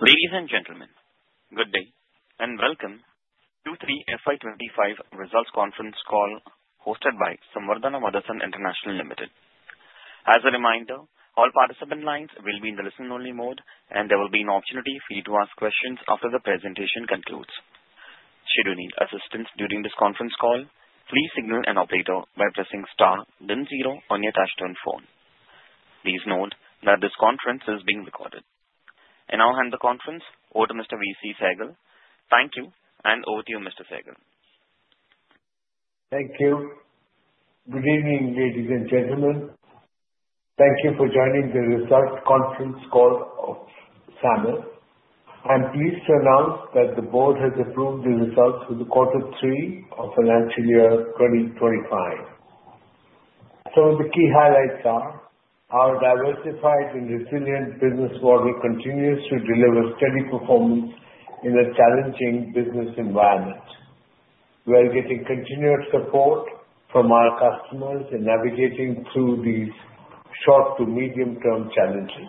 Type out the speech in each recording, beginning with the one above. Ladies and gentlemen, good day and welcome to the FY25 Results Conference call hosted by Samvardhana Motherson International Limited. As a reminder, all participant lines will be in the listen-only mode, and there will be an opportunity for you to ask questions after the presentation concludes. Should you need assistance during this conference call, please signal an operator by pressing star then zero on your touch-tone phone. Please note that this conference is being recorded, and I'll hand the conference over to Mr. V. C. Sehgal. Thank you, and over to you, Mr. Sehgal. Thank you. Good evening, ladies and gentlemen. Thank you for joining the Results Conference call of Samvardhana Motherson. I'm pleased to announce that the board has approved the results for the quarter three of financial year 2025. Some of the key highlights are our diversified and resilient business model continues to deliver steady performance in a challenging business environment. We are getting continued support from our customers in navigating through these short to medium-term challenges.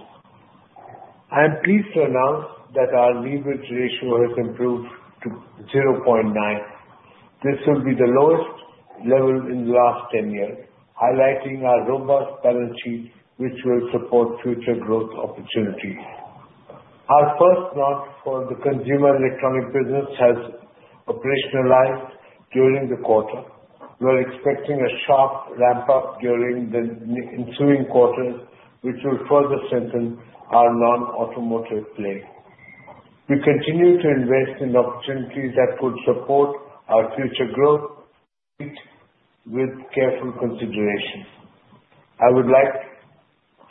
I am pleased to announce that our leverage ratio has improved to 0.9. This will be the lowest level in the last 10 years, highlighting our robust balance sheet, which will support future growth opportunities. Our first month for the Consumer Electronics business has operationalized during the quarter. We're expecting a sharp ramp-up during the ensuing quarter, which will further strengthen our non-automotive play. We continue to invest in opportunities that could support our future growth with careful consideration. I would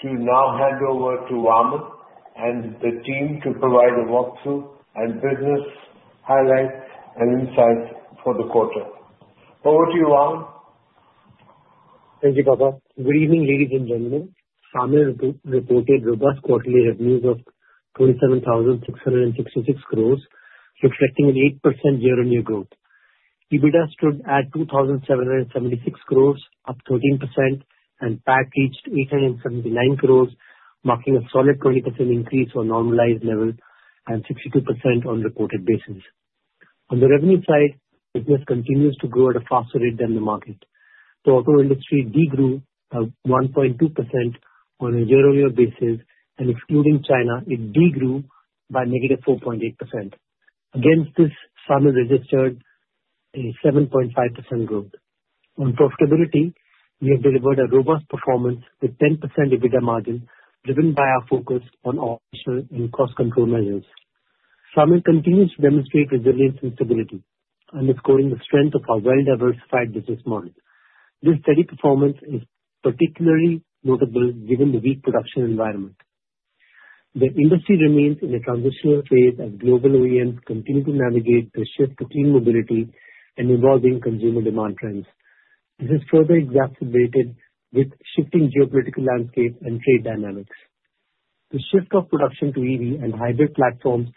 like to now hand over to Vaman and the team to provide a walkthrough and business highlights and insights for the quarter. Over to you, Vaman. Thank you, Baba. Good evening, ladies and gentlemen. SAMU reported robust quarterly revenues of 27,666 crores, reflecting an 8% year-on-year growth. EBITDA stood at 2,776 crores, up 13%, and PAC reached 879 crores, marking a solid 20% increase from normalized level and 62% on the quarter basis. On the revenue side, business continues to grow at a faster rate than the market. The auto industry degrew by 1.2% on a year-on-year basis, and excluding China, it degrew by negative 4.8%. Against this, SAMU registered a 7.5% growth. On profitability, we have delivered a robust performance with a 10% EBITDA margin, driven by our focus on operational and cost control measures. SAMU continues to demonstrate resilience and stability, underscoring the strength of our well-diversified business model. This steady performance is particularly notable given the weak production environment. The industry remains in a transitional phase as global OEMs continue to navigate the shift to clean mobility and evolving consumer demand trends. This is further exacerbated with shifting geopolitical landscape and trade dynamics. The shift of production to EV and hybrid platforms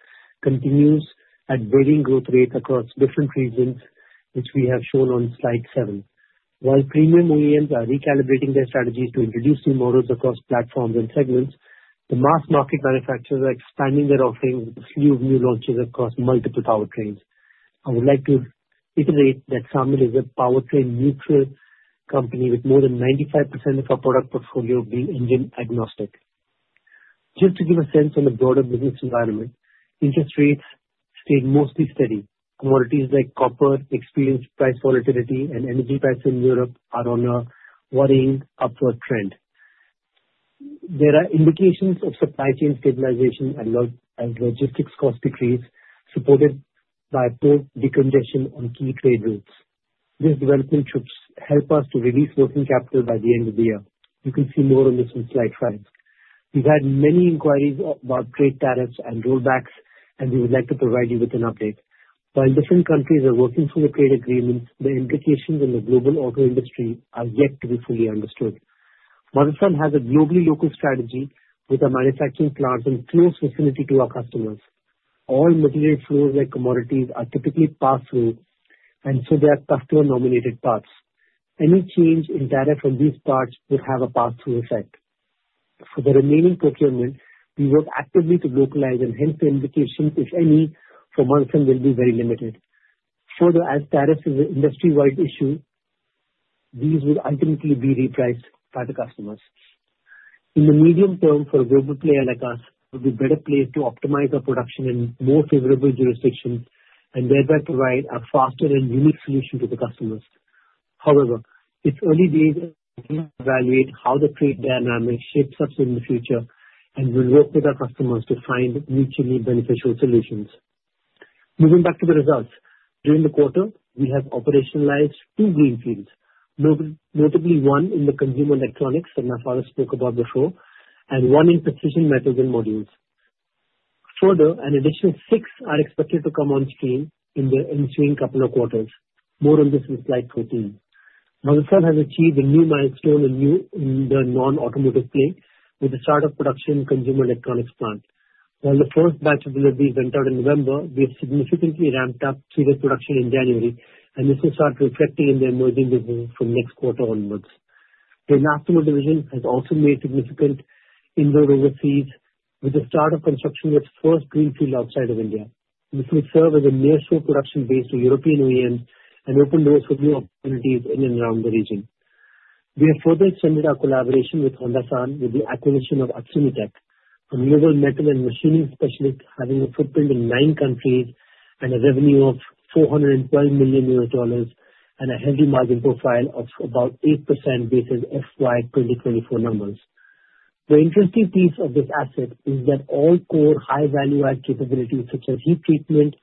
continues at varying growth rates across different regions, which we have shown on slide seven. While premium OEMs are recalibrating their strategies to introduce new models across platforms and segments, the mass-market manufacturers are expanding their offerings with a slew of new launches across multiple powertrains. I would like to iterate that Motherson is a powertrain-neutral company with more than 95% of our product portfolio being engine-agnostic. Just to give a sense of the broader business environment, interest rates stayed mostly steady. Commodities like copper experience price volatility, and energy prices in Europe are on a worrying upward trend. There are indications of supply chain stabilization and logistics cost decrease, supported by port decongestion on key trade routes. This development should help us to release working capital by the end of the year. You can see more on this on slide five. We've had many inquiries about trade tariffs and rollbacks, and we would like to provide you with an update. While different countries are working through the trade agreements, the implications in the global auto industry are yet to be fully understood. Motherson has a globally local strategy with our manufacturing plants in close vicinity to our customers. All material flows like commodities are typically pass-through, and so they have customer-nominated parts. Any change in tariffs on these parts would have a pass-through effect. For the remaining procurement, we work actively to localize, and hence the indications, if any, for Motherson will be very limited. Further, as tariffs are an industry-wide issue, these would ultimately be repriced by the customers. In the medium term, for a global player like us, it would be a better place to optimize our production in more favorable jurisdictions and thereby provide a faster and unique solution to the customers. However, it's early days to evaluate how the trade dynamics shape us in the future, and we'll work with our customers to find mutually beneficial solutions. Moving back to the results, during the quarter, we have operationalized two greenfields, notably one in the Consumer Electronics that Mahender spoke about before, and one in Precision Metals and Modules. Further, an additional six are expected to come on stream in the ensuing couple of quarters. More on this in slide 14. Motherson has achieved a new milestone in the non-automotive play with the start of production in the Consumer Electronics plant. While the first batch of deliveries went out in November, we have significantly ramped up serial production in January, and this will start reflecting in the emerging businesses from next quarter onwards. The industrial division has also made significant inroads overseas with the start of construction of its first greenfield outside of India. This will serve as a nearshore production base to European OEMs and open doors for new opportunities in and around the region. We have further extended our collaboration with Honda with the acquisition of Ushin, a global metal and machining specialist having a footprint in nine countries and a revenue of $412 million, and a healthy margin profile of about 8% based on FY2024 numbers. The interesting piece of this asset is that all core high-value-added capabilities such as heat treatment,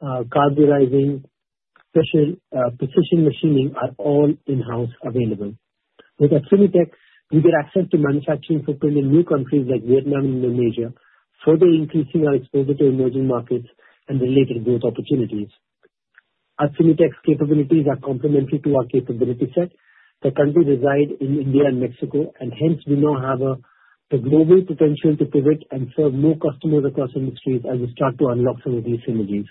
carburizing, special precision machining are all in-house available. With Akshini Tech, we get access to manufacturing footprint in new countries like Vietnam and Indonesia, further increasing our exposure to emerging markets and related growth opportunities. Akshini Tech's capabilities are complementary to our capability set. The company resides in India and Mexico, and hence we now have a global potential to pivot and serve more customers across industries as we start to unlock some of these synergies.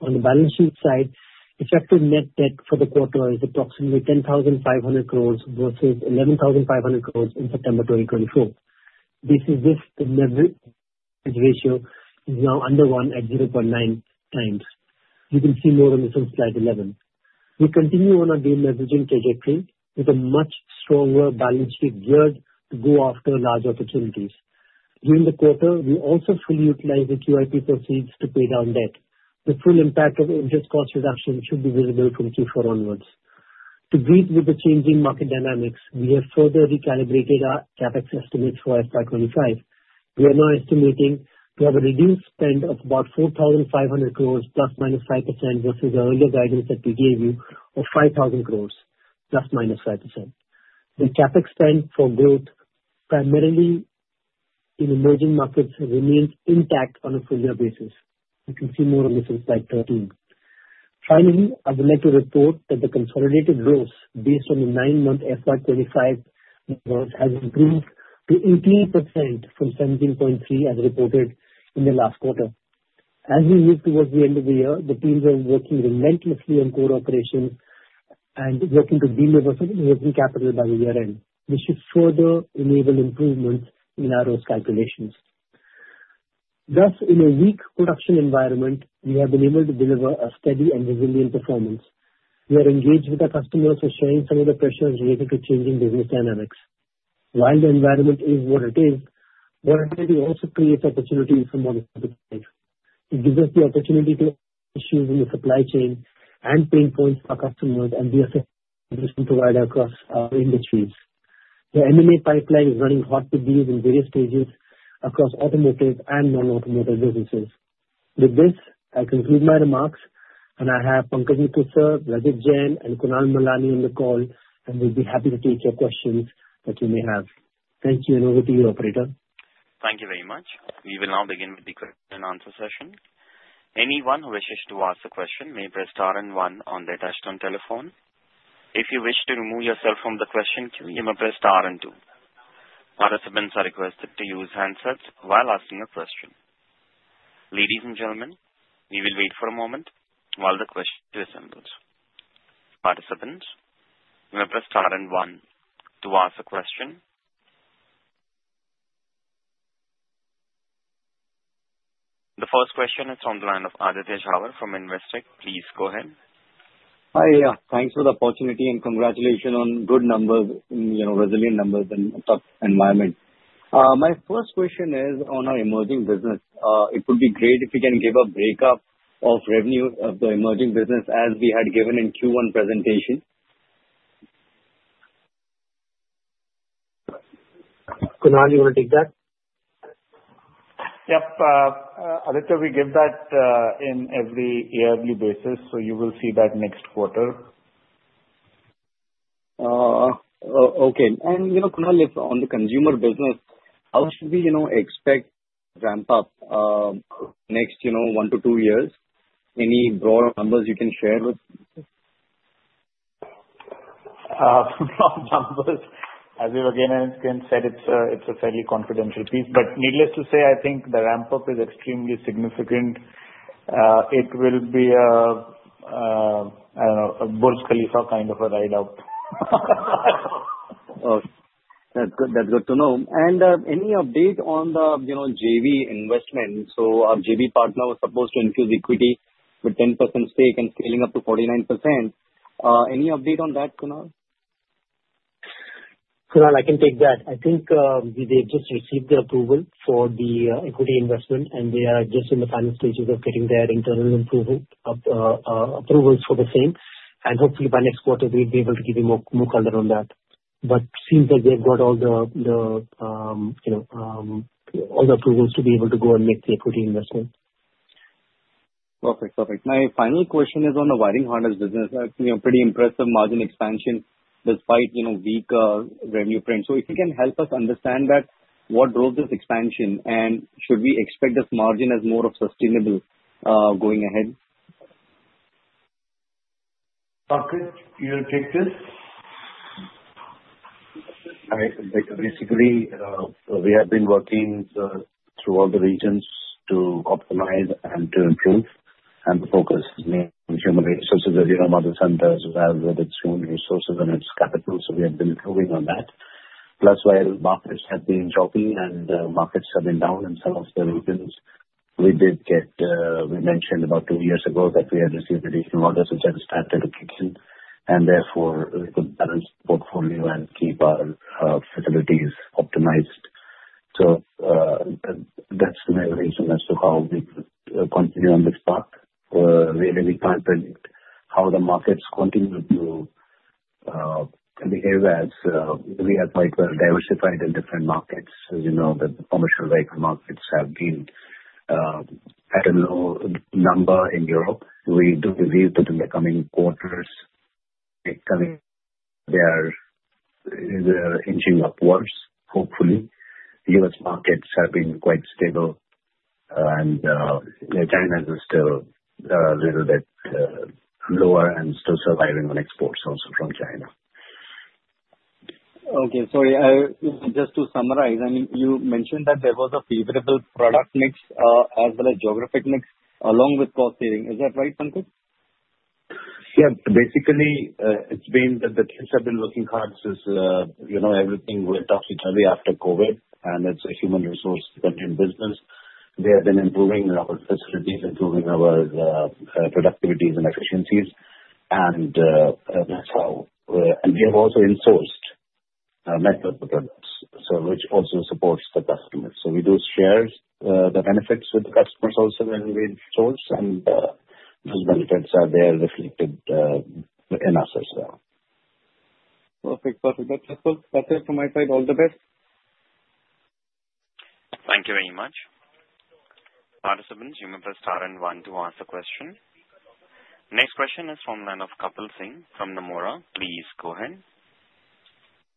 On the balance sheet side, effective net debt for the quarter is approximately $10,500 crores versus $11,500 crores in September 2024. This is with the net leverage ratio now under one at 0.9 times. You can see more on this on slide 11. We continue on our deleveraging trajectory with a much stronger balance sheet geared to go after large opportunities. During the quarter, we also fully utilize the QIP proceeds to pay down debt. The full impact of interest cost reduction should be visible from Q4 onwards. To cope with the changing market dynamics, we have further recalibrated our CapEx estimates for FY25. We are now estimating to have a reduced spend of about $4,500 crores ±5% versus the earlier guidance that we gave you of $5,000 crores ±5%. The CapEx spend for growth, primarily in emerging markets, remains intact on a four-year basis. You can see more on this in slide 13. Finally, I would like to report that the consolidated growth based on the nine-month FY25 growth has improved to 18% from 17.3% as reported in the last quarter. As we move towards the end of the year, the teams are working relentlessly on core operations and working to deliver some working capital by the year-end. This should further enable improvements in our growth calculations. Thus, in a weak production environment, we have been able to deliver a steady and resilient performance. We are engaged with our customers for sharing some of the pressures related to changing business dynamics. While the environment is what it is, volatility also creates opportunities for multiple things. It gives us the opportunity to add issues in the supply chain and pain points for customers and the assistance provider across our industries. The M&A pipeline is running hot with these in various stages across automotive and non-automotive businesses. With this, I conclude my remarks, and I have Pankaj Mital, Rajat Jain, and Kunal Malani on the call, and we'll be happy to take your questions that you may have. Thank you, and over to you, Operator. Thank you very much. We will now begin with the question-and-answer session. Anyone who wishes to ask a question may press star and one on their touch-tone telephone. If you wish to remove yourself from the question queue, you may press star and two. Participants are requested to use handsets while asking a question. Ladies and gentlemen, we will wait for a moment while the question queue assembles. Participants, you may press star and one to ask a question. The first question is from the line of Aditya Chhabra from Investec. Please go ahead. Hi, yeah. Thanks for the opportunity, and congratulations on good numbers, resilient numbers in a tough environment. My first question is on our emerging business. It would be great if you can give a break-up of revenue of the emerging business as we had given in Q1 presentation. Kunal, you want to take that? Yep. Aditya, we give that in every yearly basis, so you will see that next quarter. Okay. And Kunal, if on the consumer business, how should we expect ramp-up next one to two years? Any broad numbers you can share with? Broad numbers, as you again said, it's a fairly confidential piece, but needless to say, I think the ramp-up is extremely significant. It will be, I don't know, a Burj Khalifa kind of a ride-up. Okay. That's good to know. And any update on the JV investment? So our JV partner was supposed to infuse equity with 10% stake and scaling up to 49%. Any update on that, Kunal? Kunal, I can take that. I think they've just received the approval for the equity investment, and they are just in the final stages of getting their internal approvals for the same, and hopefully, by next quarter, we'll be able to give you more color on that, but it seems that they've got all the approvals to be able to go and make the equity investment. Perfect, perfect. My final question is on the wiring harness business. Pretty impressive margin expansion despite weak revenue print. So if you can help us understand that, what drove this expansion, and should we expect this margin as more sustainable going ahead? Pankaj, you'll take this. Basically, we have been working throughout the regions to optimize and to improve, and the focus is mainly on human resources. As you know, Motherson does well with its human resources and its capital, so we have been improving on that. Plus, while markets have been choppy and markets have been down in some of the regions, we did get we mentioned about two years ago that we had received additional orders to get started again, and therefore we could balance the portfolio and keep our facilities optimized. So that's the main reason as to how we continue on this path. Really, we can't predict how the markets continue to behave as we have quite well diversified in different markets. As you know, the commercial vehicle markets have been at a low number in Europe. We do believe that in the coming quarters, they are inching upwards, hopefully. The U.S. markets have been quite stable, and China is still a little bit lower and still surviving on exports also from China. Okay. Sorry, just to summarize, I mean, you mentioned that there was a favorable product mix as well as geographic mix along with cost saving. Is that right, Pankaj? Yeah. Basically, it's been that the kids have been looking hard since everything went off each other after COVID, and it's a human resource-oriented business. We have been improving our facilities, improving our productivities and efficiencies, and that's how we have also insourced metal products, which also supports the customers. So we do share the benefits with the customers also when we insource, and those benefits are there reflected in us as well. Perfect, perfect. That's it from my side. All the best. Thank you very much. Participants, you may press star and one to ask a question. Next question is from Kapil Singh from Nomura. Please go ahead.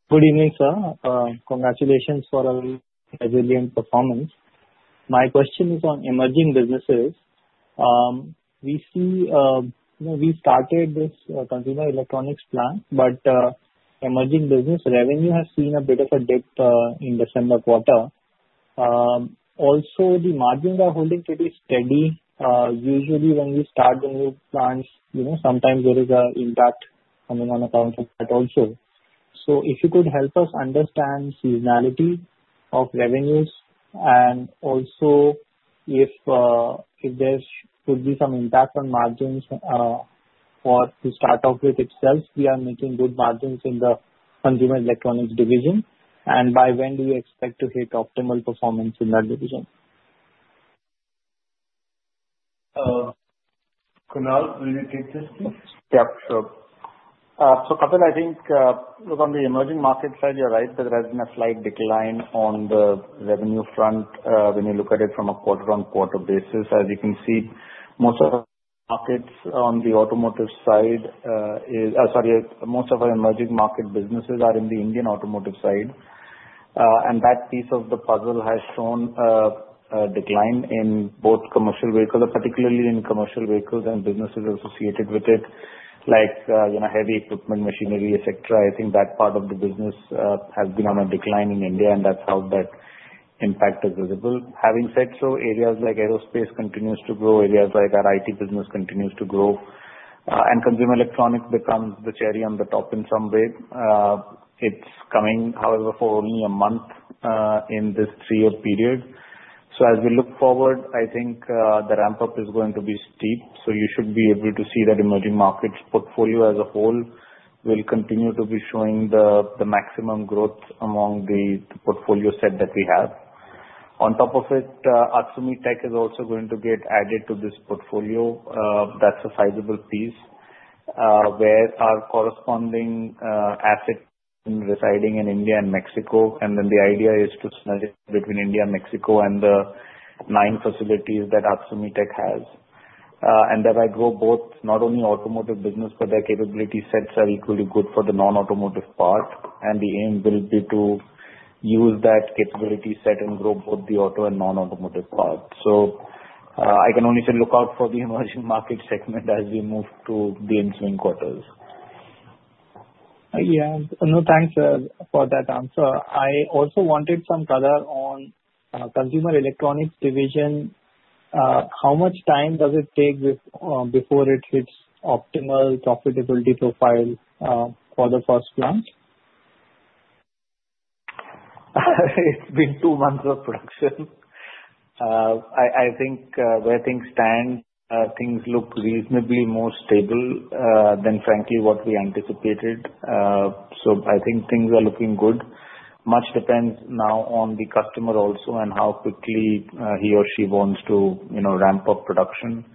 Good evening, sir. Congratulations for a resilient performance. My question is on emerging businesses. We started this consumer electronics plant, but emerging business revenue has seen a bit of a dip in December quarter. Also, the margins are holding pretty steady. Usually, when we start the new plants, sometimes there is an impact coming on account of that also. So if you could help us understand seasonality of revenues, and also if there could be some impact on margins for the startup with itself, we are making good margins in the consumer electronics division, and by when do you expect to hit optimal performance in that division? Kunal, will you take this, please? Yep, sure. So Kapil, I think on the emerging market side, you're right that there has been a slight decline on the revenue front when you look at it from a quarter-on-quarter basis. As you can see, most of the markets on the automotive side are. Sorry, most of our emerging market businesses are in the Indian automotive side, and that piece of the puzzle has shown a decline in both commercial vehicles, particularly in commercial vehicles and businesses associated with it, like heavy equipment, machinery, etc. I think that part of the business has been on a decline in India, and that's how that impact is visible. Having said so, areas like aerospace continues to grow, areas like our IT business continues to grow, and consumer electronics becomes the cherry on the top in some way. It's coming, however, for only a month in this three-month period. So as we look forward, I think the ramp-up is going to be steep, so you should be able to see that emerging market portfolio as a whole will continue to be showing the maximum growth among the portfolio set that we have. On top of it, Akshini Tech is also going to get added to this portfolio. That's a sizable piece where our corresponding assets are residing in India and Mexico, and then the idea is to split between India and Mexico and the nine facilities that Akshini Tech has. And there might grow both not only automotive business, but their capability sets are equally good for the non-automotive part, and the aim will be to use that capability set and grow both the auto and non-automotive part. So I can only say look out for the emerging market segment as we move to the ensuing quarters. Yeah. No, thanks for that answer. I also wanted some color on consumer electronics division. How much time does it take before it hits optimal profitability profile for the first month? It's been two months of production. I think where things stand, things look reasonably more stable than, frankly, what we anticipated. So I think things are looking good. Much depends now on the customer also and how quickly he or she wants to ramp up production.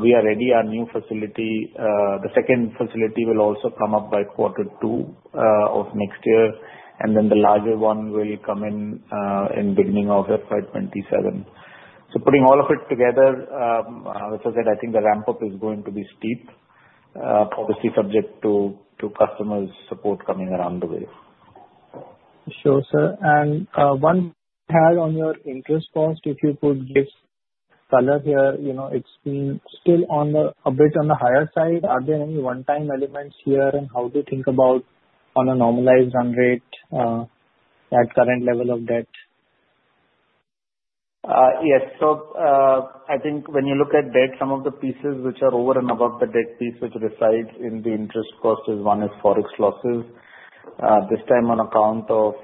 We are ready. Our new facility, the second facility, will also come up by quarter two of next year, and then the larger one will come in beginning of FY 2027. So putting all of it together, I think the ramp-up is going to be steep, obviously subject to customer support coming around the way. Sure, sir. And one more thing on your interest cost, if you could give color here. It's been still a bit on the higher side. Are there any one-time elements here, and how do you think about on a normalized run rate at current level of debt? Yes. So I think when you look at debt, some of the pieces which are over and above the debt piece which resides in the interest cost is one is forex losses. This time, on account of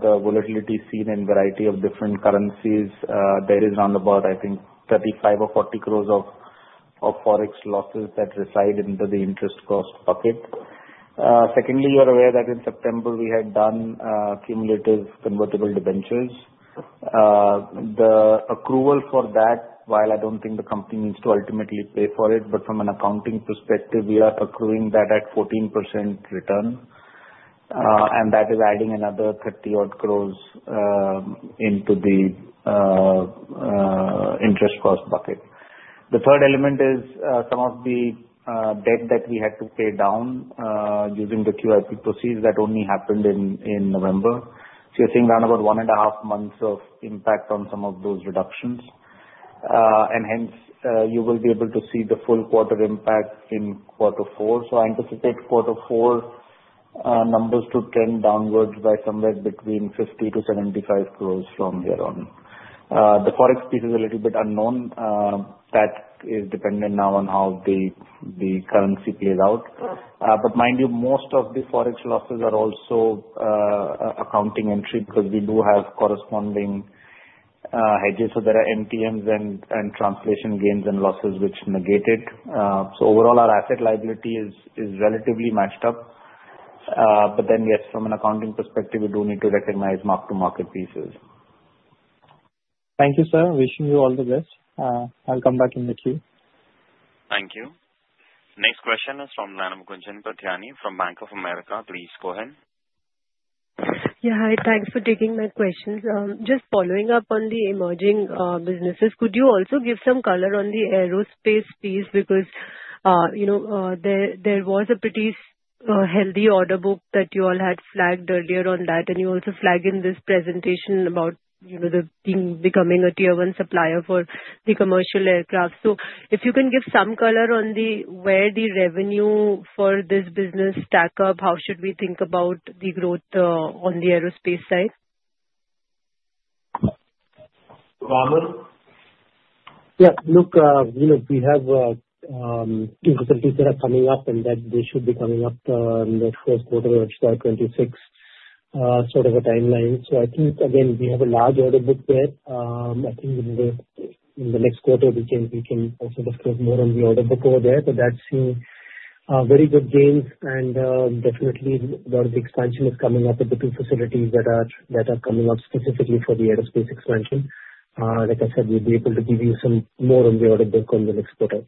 the volatility seen in a variety of different currencies, there is around about, I think, 35 or 40 crores of forex losses that reside into the interest cost bucket. Secondly, you're aware that in September we had done cumulative convertible debentures. The accrual for that, while I don't think the company needs to ultimately pay for it, but from an accounting perspective, we are accruing that at 14% return, and that is adding another 30-odd crores into the interest cost bucket. The third element is some of the debt that we had to pay down using the QIP proceeds that only happened in November. So you're seeing around about one and a half months of impact on some of those reductions, and hence you will be able to see the full quarter impact in quarter four. So I anticipate quarter four numbers to trend downwards by somewhere between 50-75 crores from here on. The forex piece is a little bit unknown. That is dependent now on how the currency plays out. But mind you, most of the forex losses are also accounting entry because we do have corresponding hedges. So there are MTMs and translation gains and losses which negate it. So overall, our asset liability is relatively matched up, but then yes, from an accounting perspective, we do need to recognize mark-to-market pieces. Thank you, sir. Wishing you all the best. I'll come back in the queue. Thank you. Next question is from Gunjan Prithiani from Bank of America. Please go ahead. Yeah. Hi. Thanks for taking my questions. Just following up on the emerging businesses, could you also give some color on the aerospace piece? Because there was a pretty healthy order book that you all had flagged earlier on that, and you also flagged in this presentation about becoming a Tier 1 supplier for the commercial aircraft. So if you can give some color on where the revenue for this business stack up, how should we think about the growth on the aerospace side? Connor? Yeah. Look, we have facilities that are coming up, and they should be coming up in the first quarter of 2026, sort of a timeline. So I think, again, we have a large order book there. I think in the next quarter, we can also discuss more on the order book over there. But that's seeing very good gains, and definitely a lot of the expansion is coming up with the two facilities that are coming up specifically for the aerospace expansion. Like I said, we'll be able to give you some more on the order book on the next quarter.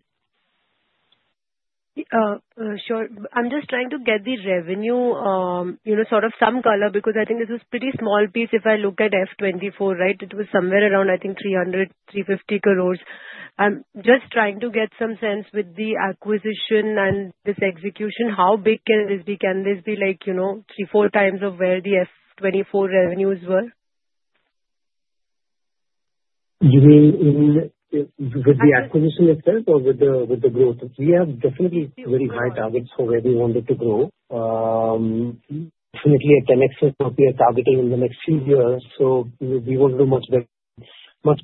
Sure. I'm just trying to get the revenue sort of some color because I think this is a pretty small piece. If I look at F24, right, it was somewhere around, I think, 300-350 crores. I'm just trying to get some sense with the acquisition and this execution. How big can this be? Can this be three, four times of where the F24 revenues were? You mean with the acquisition itself or with the growth? We have definitely very high targets for where we want it to grow. Definitely a 10X would be a target in the next few years. So we won't do much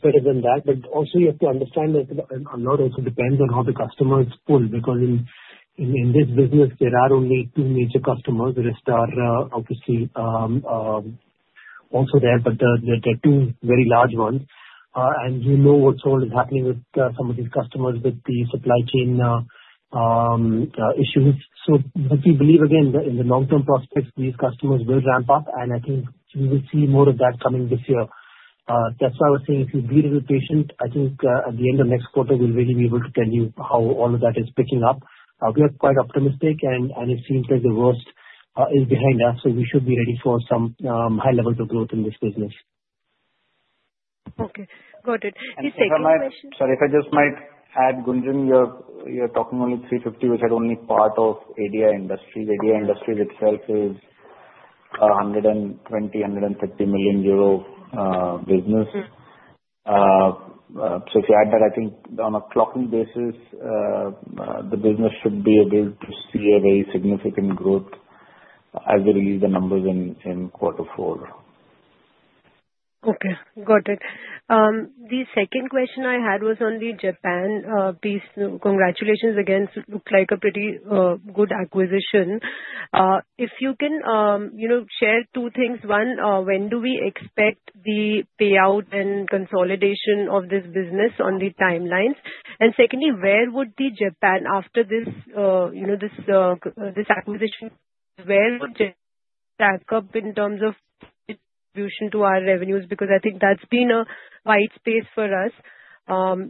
better than that. But also, you have to understand that a lot also depends on how the customer is pulled because in this business, there are only two major customers. There is Star, obviously, also there, but they're two very large ones. And you know what's always happening with some of these customers with the supply chain issues. So we believe, again, in the long-term prospects, these customers will ramp up, and I think we will see more of that coming this year. That's why I was saying if you're a little patient, I think at the end of next quarter, we'll really be able to tell you how all of that is picking up. We are quite optimistic, and it seems like the worst is behind us, so we should be ready for some high levels of growth in this business. Okay. Got it. He's taking the question. Sorry, if I just might add, Gunjan, you're talking only 350, which are only part of AD Industries. AD Industries itself is a EUR120-130 million business. So if you add that, I think on a pro forma basis, the business should be able to see a very significant growth as we release the numbers in Q4. Okay. Got it. The second question I had was on the Japan piece. Congratulations again. It looked like a pretty good acquisition. If you can share two things: one, when do we expect the payout and consolidation of this business on the timelines? And secondly, where would Japan, after this acquisition, stack up in terms of contribution to our revenues? Because I think that's been a white space for us.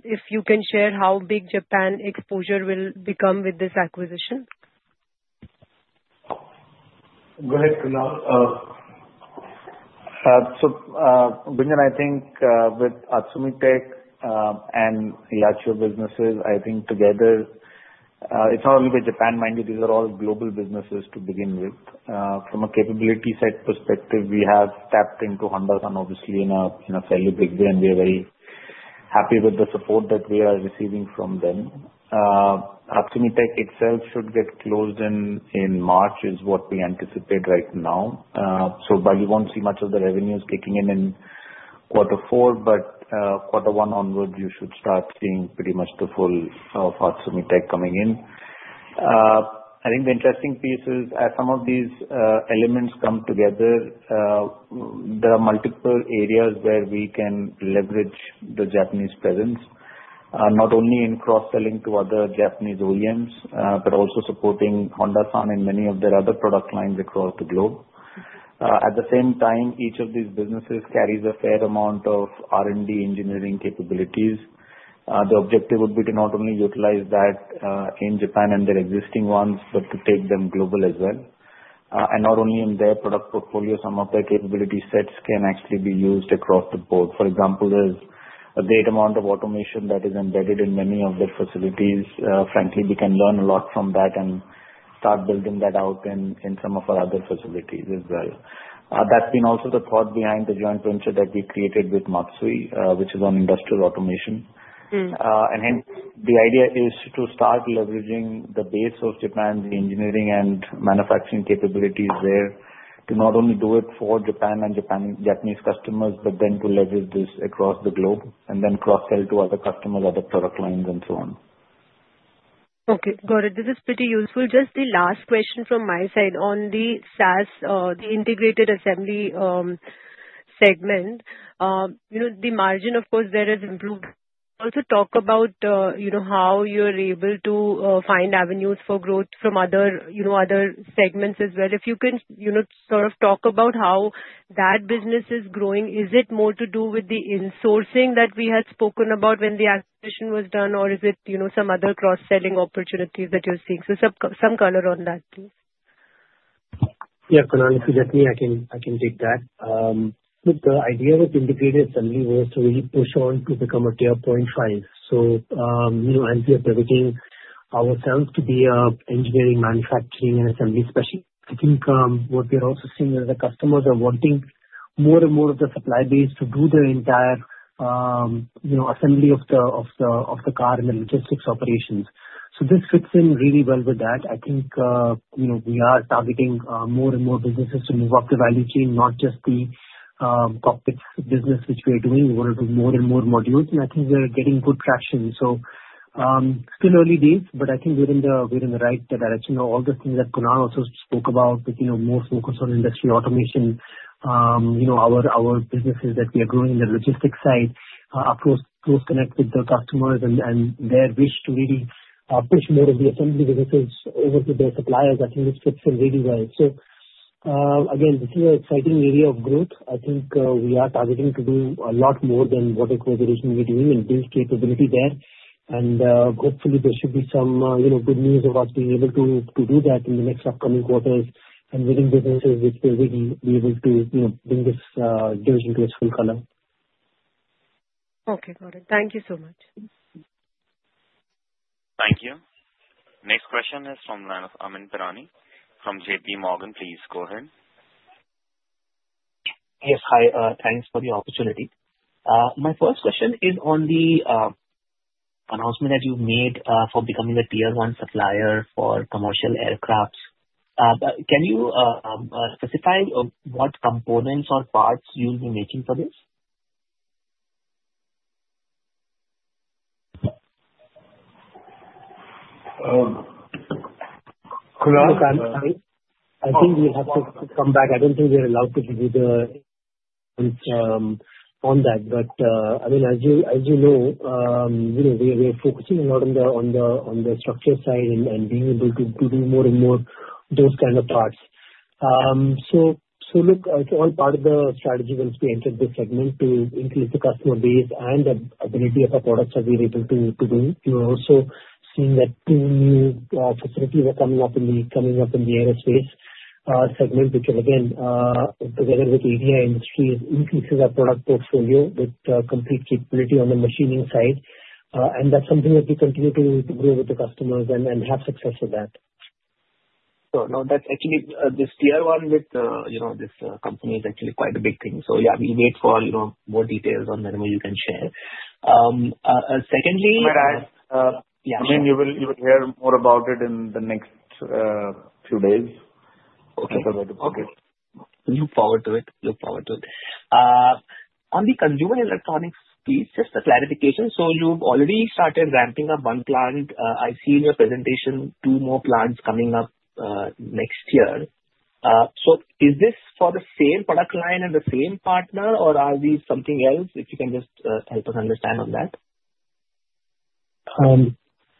If you can share how big Japan exposure will become with this acquisition. Go ahead, Kunal. So Gunjan, I think with Ushin and Yachiyo businesses, I think together, it's not only with Japan, mind you, these are all global businesses to begin with. From a capability set perspective, we have tapped into Hondasan, obviously, in a fairly big way, and we are very happy with the support that we are receiving from them. Ushin itself should get closed in March is what we anticipate right now. So you won't see much of the revenues kicking in in Q1, but Q1 onward, you should start seeing pretty much the full of Ushin coming in. I think the interesting piece is as some of these elements come together, there are multiple areas where we can leverage the Japanese presence, not only in cross-selling to other Japanese OEMs, but also supporting Hondasan and many of their other product lines across the globe. At the same time, each of these businesses carries a fair amount of R&D engineering capabilities. The objective would be to not only utilize that in Japan and their existing ones, but to take them global as well, and not only in their product portfolio, some of their capability sets can actually be used across the board. For example, there's a great amount of automation that is embedded in many of their facilities. Frankly, we can learn a lot from that and start building that out in some of our other facilities as well. That's been also the thought behind the joint venture that we created with Matsui, which is on industrial automation, and hence, the idea is to start leveraging the base of Japan, the engineering and manufacturing capabilities there to not only do it for Japan and Japanese customers, but then to leverage this across the globe and then cross-sell to other customers, other product lines, and so on. Okay. Got it. This is pretty useful. Just the last question from my side on the SaS, the integrated assembly segment. The margin, of course, there has improved. Also talk about how you're able to find avenues for growth from other segments as well. If you can sort of talk about how that business is growing, is it more to do with the insourcing that we had spoken about when the acquisition was done, or is it some other cross-selling opportunities that you're seeing? So some color on that, please. Yeah. Kunal, if you let me, I can take that. Look, the idea with integrated assembly was to really push on to become a tier-point-five. So as we are pivoting ourselves to be an engineering, manufacturing, and assembly specialist, I think what we're also seeing is that customers are wanting more and more of the supply base to do the entire assembly of the car and the logistics operations. So this fits in really well with that. I think we are targeting more and more businesses to move up the value chain, not just the cockpit business, which we are doing. We want to do more and more modules, and I think we're getting good traction. So still early days, but I think we're in the right direction. All the things that Kunal also spoke about, with more focus on industry automation. Our businesses that we are growing in the logistics side are closely connected to customers and their wish to really push more of the assembly businesses over to their suppliers. I think it fits in really well. So again, this is an exciting area of growth. I think we are targeting to do a lot more than what it was originally doing and build capability there, and hopefully, there should be some good news of us being able to do that in the next upcoming quarters and winning businesses, which will be able to bring this division to its full color. Okay. Got it. Thank you so much. Thank you. Next question is from Amyn Pirani from JPMorgan. Please go ahead. Yes. Hi. Thanks for the opportunity. My first question is on the announcement that you made for becoming a Tier 1 supplier for commercial aircraft. Can you specify what components or parts you'll be making for this? Kunal, I think we'll have to come back. I don't think we're allowed to give you the answer on that, but I mean, as you know, we're focusing a lot on the structure side and being able to do more and more of those kinds of parts, so look, it's all part of the strategy once we enter this segment to increase the customer base and the ability of our products that we're able to do, so seeing that two new facilities are coming up in the aerospace segment, which, again, together with ADI Group, increases our product portfolio with complete capability on the machining side, and that's something that we continue to grow with the customers and have success with that. Sure. No, that's actually this Tier 1 with this company is actually quite a big thing. So yeah, we wait for more details on that when you can share. Secondly. I mean, you will hear more about it in the next few days. Okay. Look forward to it. On the consumer electronics piece, just a clarification. So you've already started ramping up one plant. I see in your presentation two more plants coming up next year. So is this for the same product line and the same partner, or are these something else? If you can just help us understand on that.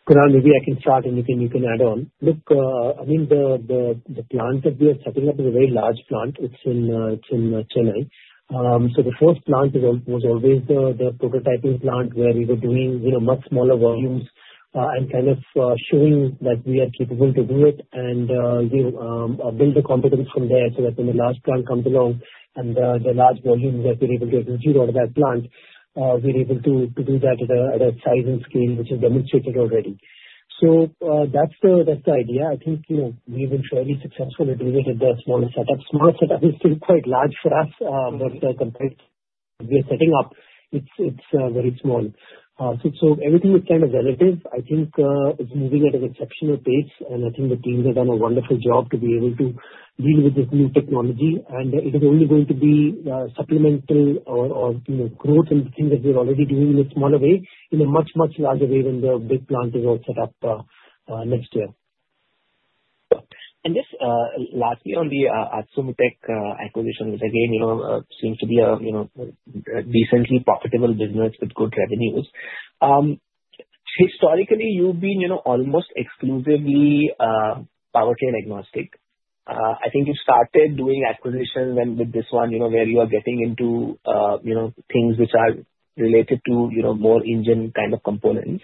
Kunal, maybe I can start, and then you can add on. Look, I mean, the plant that we are setting up is a very large plant. It's in Chennai. So the first plant was always the prototyping plant where we were doing much smaller volumes and kind of showing that we are capable to do it and build the competence from there so that when the large plant comes along and the large volumes that we're able to execute out of that plant, we're able to do that at a size and scale which is demonstrated already. So that's the idea. I think we've been fairly successful at doing it at the smaller setup. Smaller setup is still quite large for us, but compared to what we are setting up, it's very small. So everything is kind of relative. I think it's moving at an exceptional pace, and I think the teams have done a wonderful job to be able to deal with this new technology, and it is only going to be supplemental or growth in the things that we're already doing in a smaller way in a much, much larger way than the big plant is all set up next year. Just lastly, on the Akshini Tech acquisition, which again seems to be a decently profitable business with good revenues. Historically, you've been almost exclusively powertrain agnostic. I think you started doing acquisitions with this one where you are getting into things which are related to more engine kind of components.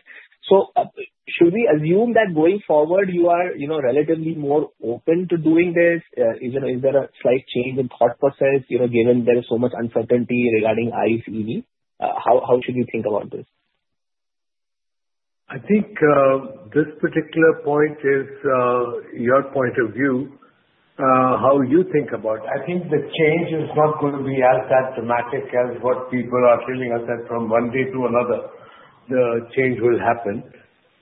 Should we assume that going forward, you are relatively more open to doing this? Is there a slight change in thought process given there is so much uncertainty regarding the EV? How should we think about this? I think this particular point is your point of view, how you think about it. I think the change is not going to be as dramatic as what people are telling us that from one day to another, the change will happen.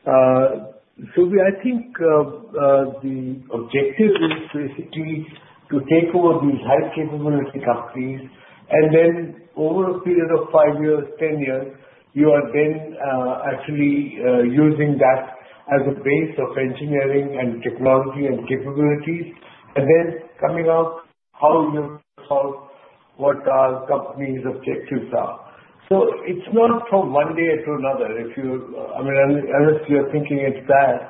So I think the objective is basically to take over these high-capability companies, and then over a period of five years, 10 years, you are then actually using that as a base of engineering and technology and capabilities, and then coming out how you solve what our company's objectives are. So it's not from one day to another. If you're thinking it's bad,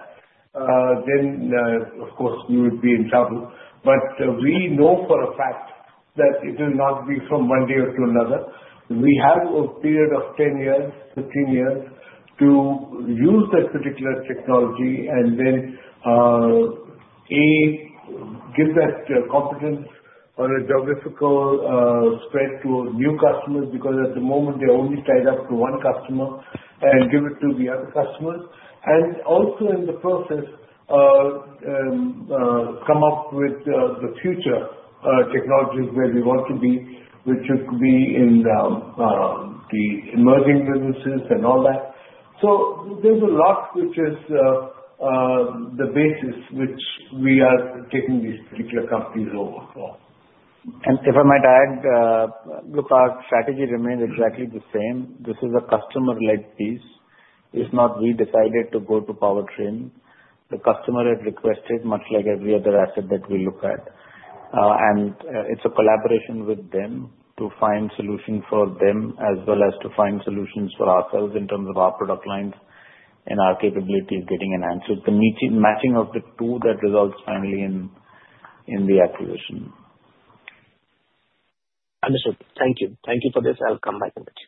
then of course, you would be in trouble. But we know for a fact that it will not be from one day to another. We have a period of 10 years, 15 years to use that particular technology and then give that competence or a geographical spread to new customers because at the moment, they're only tied up to one customer and give it to the other customers, and also in the process, come up with the future technologies where we want to be, which could be in the emerging businesses and all that, so there's a lot which is the basis which we are taking these particular companies over for. If I might add, look, our strategy remains exactly the same. This is a customer-led piece. If not, we decided to go to powertrain. The customer has requested much like every other asset that we look at. And it's a collaboration with them to find solutions for them as well as to find solutions for ourselves in terms of our product lines and our capabilities getting enhanced. It's the matching of the two that results finally in the acquisition. I'm sorry. Thank you. Thank you for this. I'll come back to that.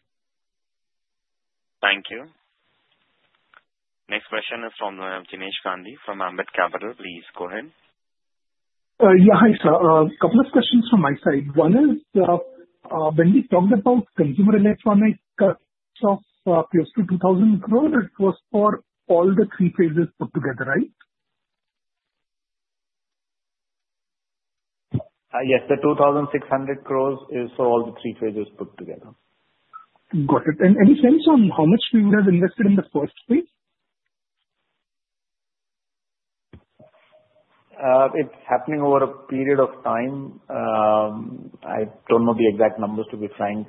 Thank you. Next question is from Jinesh Gandhi from Ambit Capital. Please go ahead. Yeah. Hi, sir. A couple of questions from my side. One is when we talked about Consumer Electronics. Of close to 2,000 crores, it was for all the three phases put together, right? Yes. The 2,600 crores is for all the three phases put together. Got it. And any sense on how much we would have invested in the first phase? It's happening over a period of time. I don't know the exact numbers, to be frank.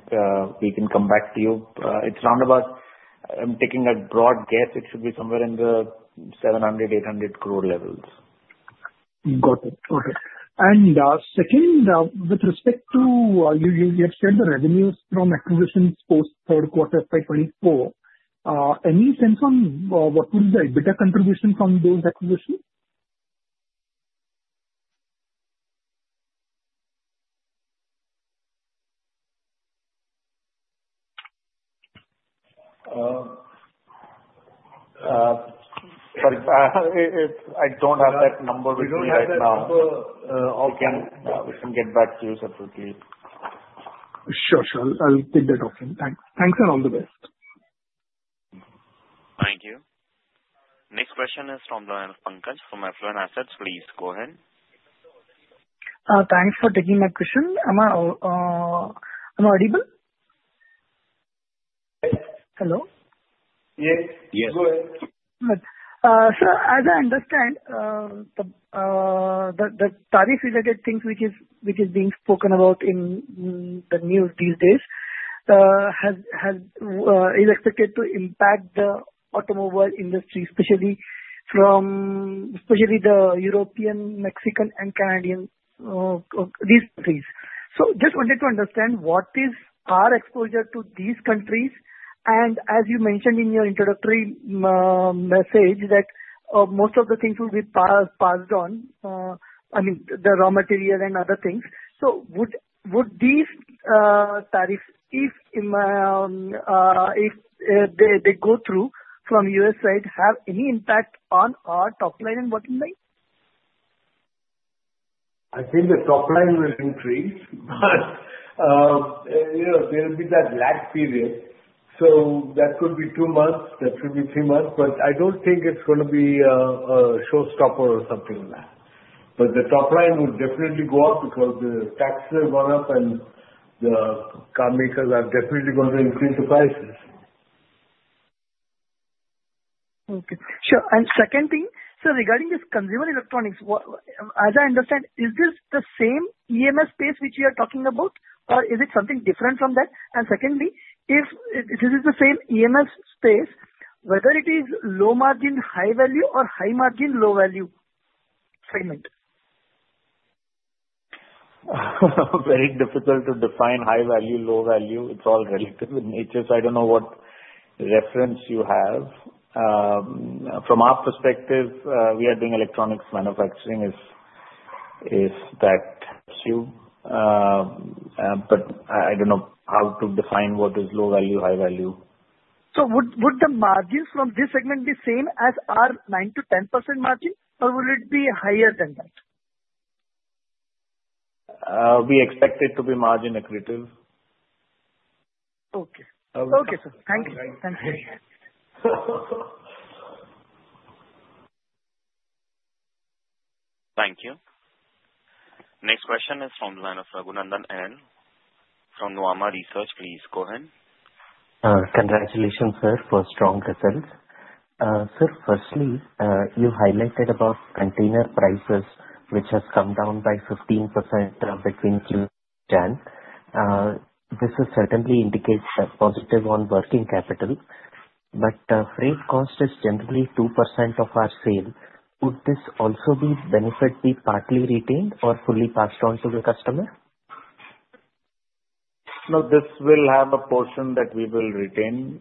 We can come back to you. It's roundabout. I'm taking a broad guess. It should be somewhere in the 700-800 crore levels. Got it. Okay. And second, with respect to you have said the revenues from acquisitions post Q3 2024, any sense on what would be the EBITDA contribution from those acquisitions? Sorry. I don't have that number with me right now. We don't have that number. Okay. We can get back to you separately. Sure. Sure. I'll take that offline. Thanks. Thanks and all the best. Thank you. Next question is from Pankaj Bobade from Affluent Assets. Please go ahead. Thanks for taking my question. Am I audible? Hello? Yes. Yes. Go ahead. Good. Sir, as I understand, the tariff-related things which is being spoken about in the news these days is expected to impact the automobile industry, especially the European, Mexican, and Canadian countries, so just wanted to understand what is our exposure to these countries, and as you mentioned in your introductory message that most of the things will be passed on, I mean, the raw material and other things, so would these tariffs, if they go through from US side, have any impact on our top line and bottom line? I think the top line will increase, but there will be that lag period. So that could be two months. That could be three months. But I don't think it's going to be a showstopper or something like that. But the top line will definitely go up because the taxes have gone up, and the car makers are definitely going to increase the prices. Okay. Sure. And second thing, sir, regarding this consumer electronics, as I understand, is this the same EMS space which you are talking about, or is it something different from that? And secondly, if this is the same EMS space, whether it is low margin, high value, or high margin, low value segment? Very difficult to define high value, low value. It's all relative in nature. So I don't know what reference you have. From our perspective, we are doing electronics manufacturing if that helps you. But I don't know how to define what is low value, high value. So would the margins from this segment be same as our 9%-10% margin, or will it be higher than that? We expect it to be margin accretive. Okay. Okay, sir. Thank you. Thank you. Thank you. Next question is from Sagunandan N. from Nuvama Research. Please go ahead. Congratulations, sir, for strong results. Sir, firstly, you highlighted about container prices, which has come down by 15% between Q2 and Q10. This certainly indicates a positive on working capital. But freight cost is generally 2% of our sale. Would this also benefit be partly retained or fully passed on to the customer? No, this will have a portion that we will retain.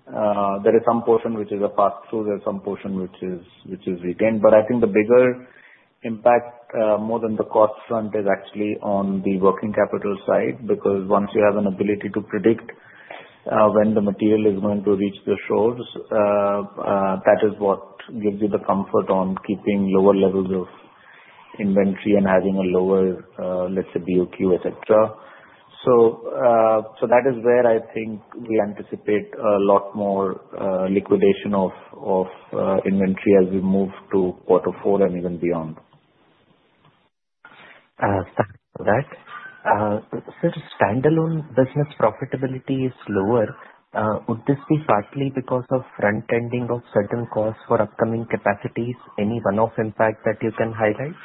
There is some portion which is a pass-through. There's some portion which is retained, but I think the bigger impact, more than the cost front, is actually on the working capital side because once you have an ability to predict when the material is going to reach the shores, that is what gives you the comfort on keeping lower levels of inventory and having a lower, let's say, BOQ, etc, so that is where I think we anticipate a lot more liquidation of inventory as we move to quarter four and even beyond. Thanks for that. Sir, standalone business profitability is lower. Would this be partly because of front-ending of certain costs for upcoming capacities? Any one-off impact that you can highlight?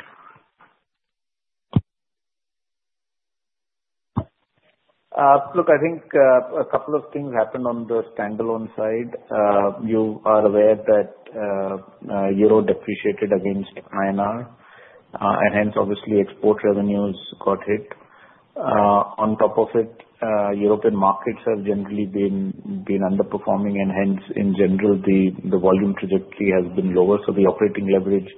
Look, I think a couple of things happened on the standalone side. You are aware that euro depreciated against INR, and hence, obviously, export revenues got hit. On top of it, European markets have generally been underperforming, and hence, in general, the volume trajectory has been lower. So the operating leverage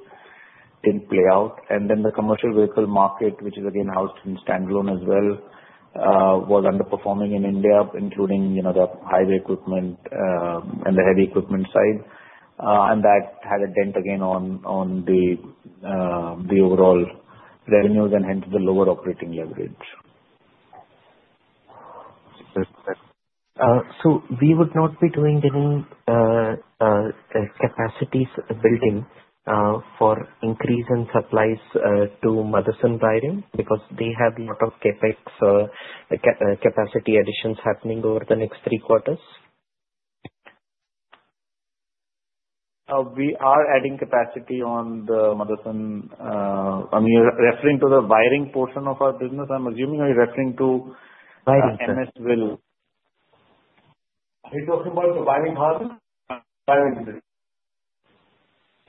didn't play out. And then the commercial vehicle market, which is again housed in standalone as well, was underperforming in India, including the highway equipment and the heavy equipment side. And that had a dent again on the overall revenues and hence the lower operating leverage. So we would not be doing any capacity building for increase in supplies to Motherson Bryden because they have a lot of capacity additions happening over the next three quarters? We are adding capacity on the Motherson. I mean, you're referring to the wiring portion of our business? I'm assuming you're referring to MS Will. Are you talking about the wiring harness?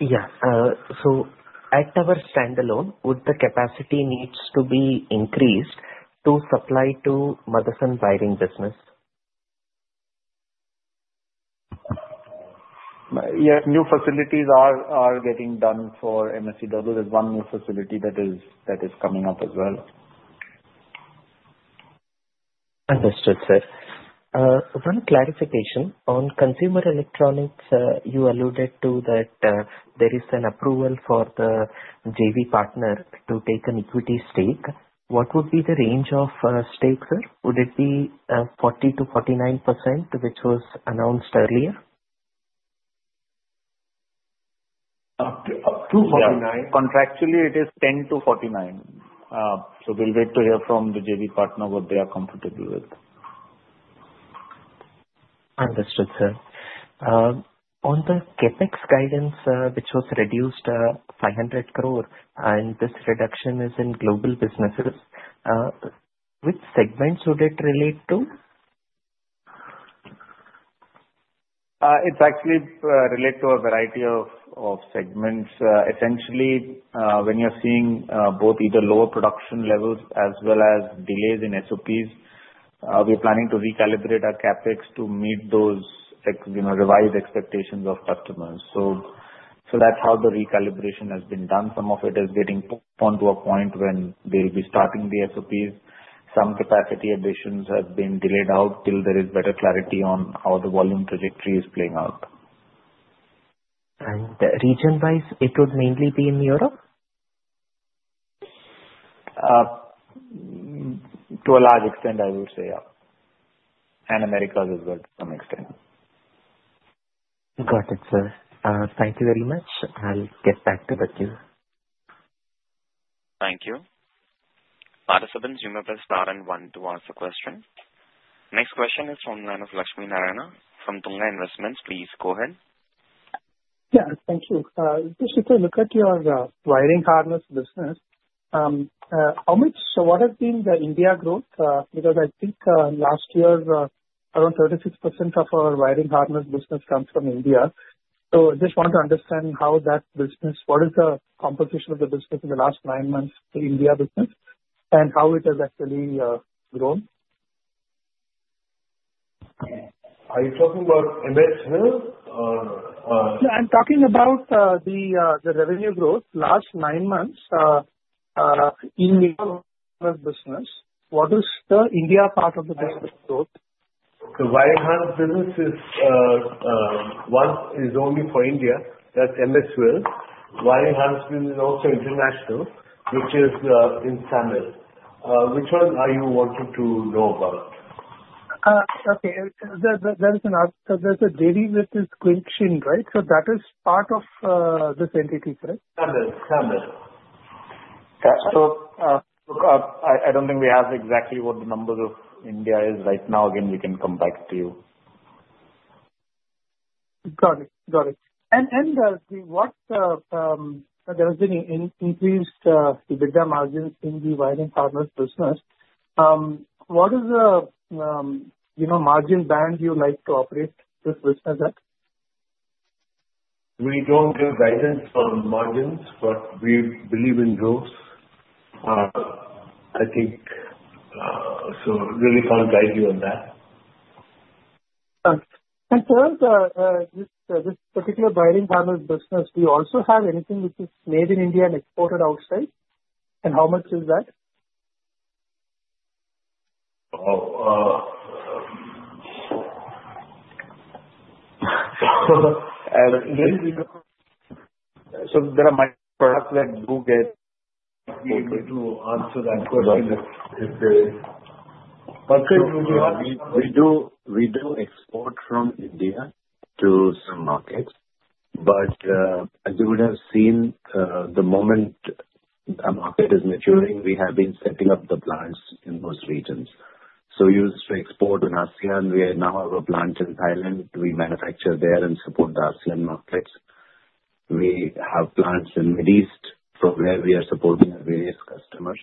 Yeah. So at our standalone, would the capacity needs to be increased to supply to Motherson Bryden business? Yes. New facilities are getting done for MSCW. There's one new facility that is coming up as well. Understood, sir. One clarification on consumer electronics, you alluded to that there is an approval for the JV partner to take an equity stake. What would be the range of stake, sir? Would it be 40%-49%, which was announced earlier? Up to 49. Contractually, it is 10-49. So we'll wait to hear from the JV partner what they are comfortable with. Understood, sir. On the CapEx guidance, which was reduced 500 crore, and this reduction is in global businesses, which segments would it relate to? It's actually related to a variety of segments. Essentially, when you're seeing both either lower production levels as well as delays in SOPs, we're planning to recalibrate our CapEx to meet those revised expectations of customers. So that's how the recalibration has been done. Some of it is getting pushed on to a point when they'll be starting the SOPs. Some capacity additions have been delayed out till there is better clarity on how the volume trajectory is playing out. Region-wise, it would mainly be in Europe? To a large extent, I would say, yeah, and America as well to some extent. Got it, sir. Thank you very much. I'll get back to you. Thank you. Participants, you may press star and one to ask a question. Next question is from Lakshmi Narayana. From Tunga Investments, please go ahead. Yeah. Thank you. So look at your wiring harness business. How much or what has been the India growth? Because I think last year, around 36% of our wiring harness business comes from India. So I just want to understand how that business, what is the composition of the business in the last nine months for India business, and how it has actually grown? Are you talking about MS, sir, or? No, I'm talking about the revenue growth last nine months in the business. What is the India part of the business growth? The wiring harness business is one only for India. That's MSW. Wiring harness business is also international, which is in Thailand. Which one are you wanting to know about? Okay. There is another. So there's a deal with this Quinchin, right? So that is part of this entity, correct? Tamil. Tamil. Gotcha. So look, I don't think we have exactly what the numbers of India is right now. Again, we can come back to you. Got it. Got it, and with there having been an increased EBITDA margin in the wiring harness business, what is the margin band you like to operate this business at? We don't give guidance on margins, but we believe in growth. I think so really can't guide you on that. And sir, this particular wiring harness business, do you also have anything which is made in India and exported outside? And how much is that? There are mirror products that do get. I'm going to answer that question. We do export from India to some markets. But as you would have seen, the moment our market is maturing, we have been setting up the plants in those regions. So, used to export to ASEAN. We now have a plant in Thailand. We manufacture there and support the ASEAN markets. We have plants in the Middle East from where we are supporting our various customers.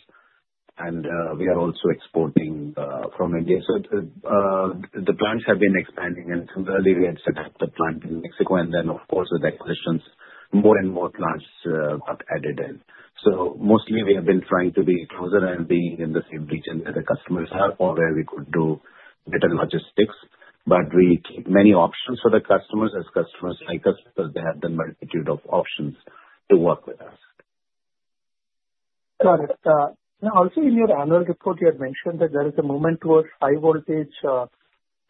And we are also exporting from India. So the plants have been expanding, and sooner or later, we had set up the plant in Mexico. And then, of course, with acquisitions, more and more plants got added in. So mostly, we have been trying to be closer and being in the same region where the customers are or where we could do better logistics. But we keep many options for the customers as customers like us because they have the multitude of options to work with us. Got it. Also, in your annual report, you had mentioned that there is a movement towards high-voltage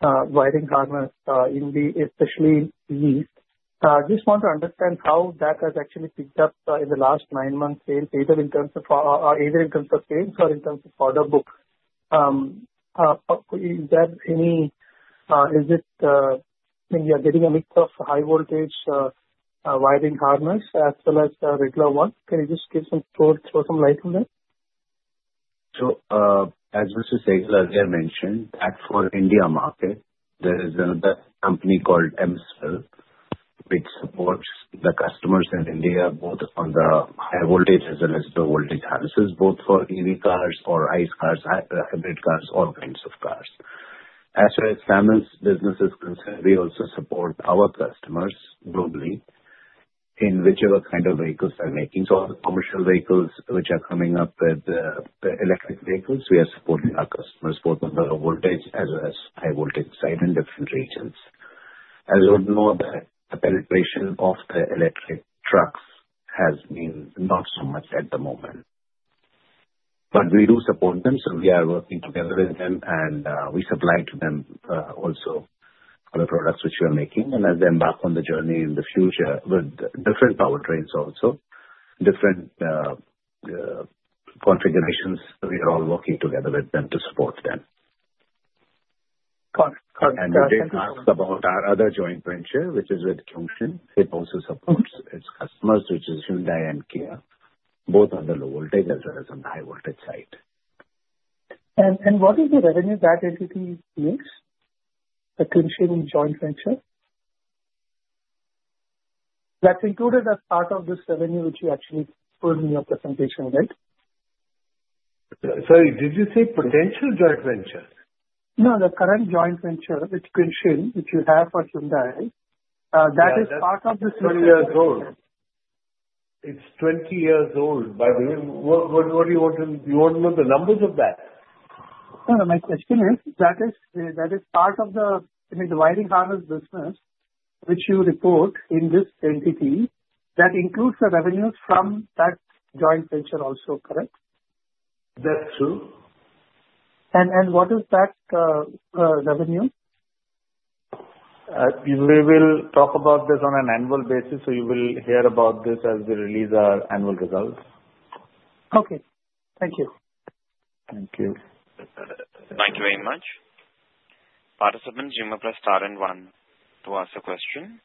wiring harness especially in the east. I just want to understand how that has actually picked up in the last nine months' sales, either in terms of sales or in terms of order books. Is it when you're getting a mix of high-voltage wiring harness as well as regular ones? Can you just throw some light on that? So as Mr. Sehgal earlier mentioned, for India market, there is another company called MSW, which supports the customers in India both on the high-voltage as well as low-voltage harnesses, both for EV cars or ICE cars, hybrid cars, all kinds of cars. As far as Motherson's business is concerned, we also support our customers globally in whichever kind of vehicles they're making. So all the commercial vehicles which are coming up with the electric vehicles, we are supporting our customers both on the low-voltage as well as high-voltage side in different regions. As you would know, the penetration of the electric trucks has been not so much at the moment. But we do support them. So we are working together with them, and we supply to them also other products which we are making. As they embark on the journey in the future with different powertrains also, different configurations, we are all working together with them to support them. Got it. Got it. Thank you. Ask about our other joint venture, which is with Kyungshin. It also supports its customers, which is Hyundai and Kia, both on the low-voltage as well as on the high-voltage side. What is the revenue that entity makes? The Quinchin joint venture? That's included as part of this revenue which you actually put in your presentation, right? Sorry. Did you say potential joint venture? No, the current joint venture with Kyungshin, which you have for Hyundai, that is part of this revenue. It's 20 years old. It's 20 years old. By the way, what do you want to know the numbers of that? No, no. My question is that is part of the wiring harness business which you report in this entity that includes the revenues from that joint venture also, correct? That's true. What is that revenue? We will talk about this on an annual basis. So you will hear about this as we release our annual results. Okay. Thank you. Thank you. Thank you very much. Participants, you may press star and one to ask a question.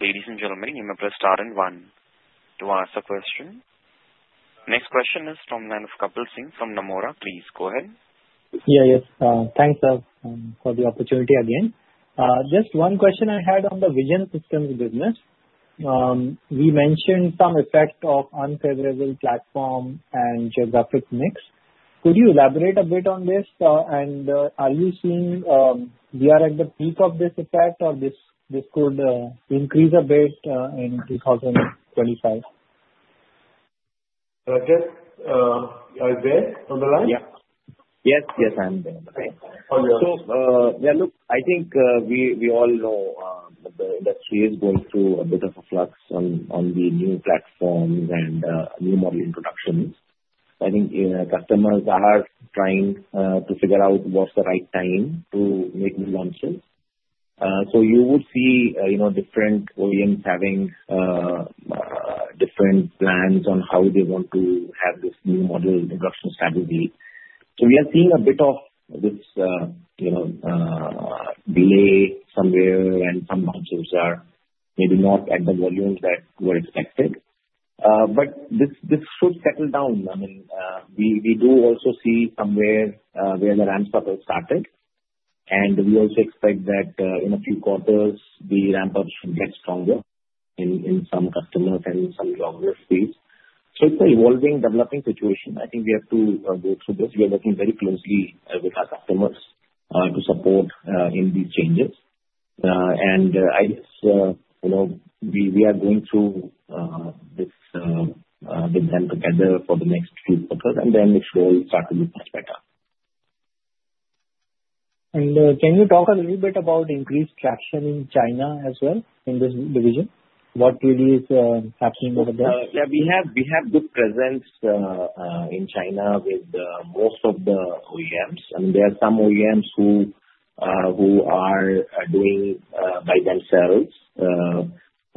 Ladies and gentlemen, you may press star and one to ask a question. Next question is from Kapil Singh from Nomura. Please go ahead. Yeah. Yes. Thanks, sir, for the opportunity again. Just one question I had on the vision systems business. We mentioned some effect of unfavorable platform and geographic mix. Could you elaborate a bit on this? And are you seeing we are at the peak of this effect, or this could increase a bit in 2025? Are you there on the line? Yes. Yes. I'm there. Okay, so yeah, look, I think we all know that the industry is going through a bit of a flux on the new platforms and new model introductions. I think customers are trying to figure out what's the right time to make new launches. So you would see different OEMs having different plans on how they want to have this new model introduction strategy. So we are seeing a bit of this delay somewhere, and some launches are maybe not at the volume that were expected, but this should settle down. I mean, we do also see somewhere where the ramp-up has started, and we also expect that in a few quarters, the ramp-up should get stronger in some customers and in some longer speeds, so it's an evolving, developing situation. I think we have to go through this. We are working very closely with our customers to support in these changes, and I guess we are going through this with them together for the next few quarters, and then it should all start to look much better. Can you talk a little bit about increased capacity in China as well in this division? What really is happening over there? Yeah. We have good presence in China with most of the OEMs. I mean, there are some OEMs who are doing by themselves.